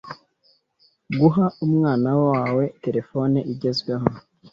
“Guha umwana wawe terefone igezweho